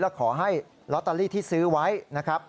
และขอให้ลอตเตอรี่ที่ซื้อไว้นะครับ